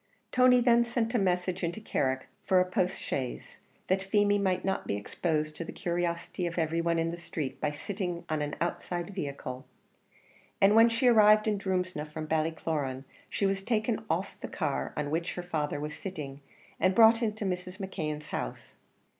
Tony then sent a message into Carrick for a postchaise, that Feemy might not be exposed to the curiosity of every one in the street by sitting on an outside vehicle; and when she arrived in Drumsna from Ballycloran, she was taken off the car on which her father was sitting, and brought into Mrs. McKeon's house.